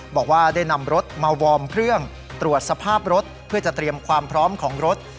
บอกว่าได้นำรถมาวอร์มเครื่องตรวจสภาพรถเพื่อจะเตรียมความพร้อมของรถ